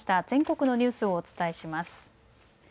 全国のニュースをお伝えします。